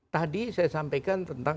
tadi saya sampaikan tentang